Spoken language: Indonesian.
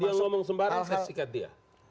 dia ngomong sembarang saya sikat dia